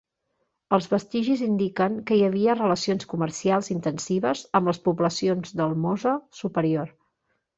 Els vestigis indiquen que hi havia relacions comercials intensives amb les poblacions del Mosa superior.